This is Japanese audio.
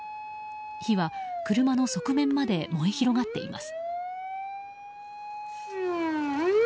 火は車の側面まで燃え広がっています。